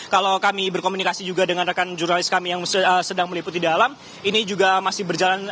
kalau kami berkomunikasi juga dengan rekan jurnalis kami yang sedang meliputi dalam ini juga masih berjalan